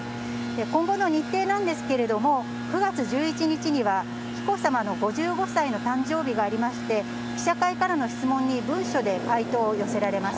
今後の日程なんですけれども、９月１１日には紀子さまの５５歳の誕生日がありまして、記者会からの質問に文書で回答を寄せられます。